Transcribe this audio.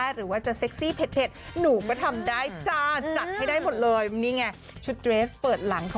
เห็นหนูมาทำได้จาจัดให้ได้หมดเลยมีไงชุดเดรสเปิดหลัง